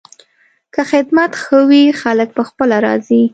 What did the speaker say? که خدمت ښه وي، خلک پخپله راځي.